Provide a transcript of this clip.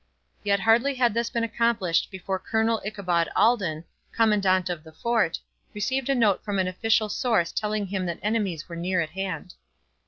Yet hardly had this been accomplished before Colonel Ichabod Alden, commandant of the fort, received a note from an official source telling him that enemies were near at hand.